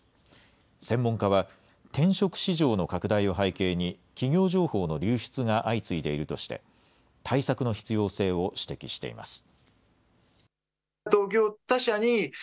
専門家は、転職市場の拡大を背景に、企業情報の流出が相次いでいるとして、対策の必要性を指摘しています。